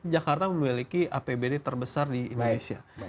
jakarta memiliki apbd terbesar di indonesia